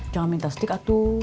jangan minta stik atu